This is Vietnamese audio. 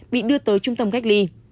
bị đưa tới trung tâm gách ly